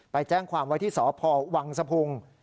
ไปแจ้งความไว้ที่สพวังสะพุง